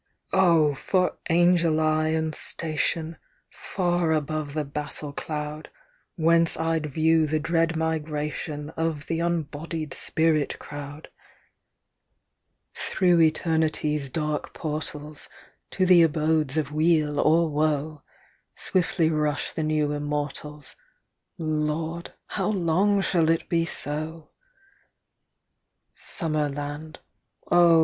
THE HORKOKS OF WAR. 109 Oh ! for angel eye and station, Far above the battle cloud, Whence I'd view the dread migration Of the unbodied spirit crowd ! Through eternity's dark portals To the abodes of weal or woe, Swiftly rush the new immortals — Lord, how long shall it be so ) Summerland — Oh !